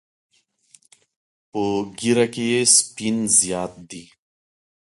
په ږیره کې یې سپین زیات دي.